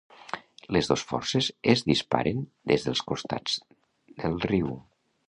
Les dos forces es disparen des dels costats del riu.